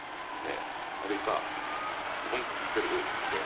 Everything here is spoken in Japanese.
あるいは文句つける癖。